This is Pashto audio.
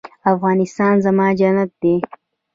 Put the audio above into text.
افغانستان زما جنت دی